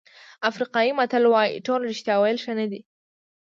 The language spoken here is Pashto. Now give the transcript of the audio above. افریقایي متل وایي ټول رښتیا ویل ښه نه دي.